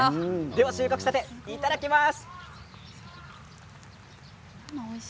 収穫したて、いただきます。